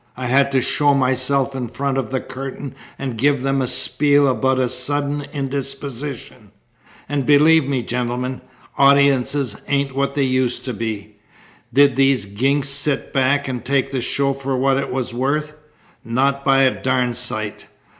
I had to show myself in front of the curtain and give them a spiel about a sudden indisposition. And believe me, gentlemen, audiences ain't what they used to be. Did these ginks sit back and take the show for what it was worth? Not by a darn sight.